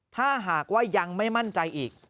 ถ้าหากว่ายังไม่มั่นใจอีก